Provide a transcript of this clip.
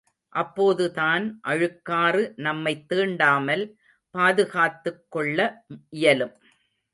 அப்போதுதான் அழுக்காறு நம்மைத் தீண்டாமல் பாதுகாத்துக் கொள்ள இயலும்.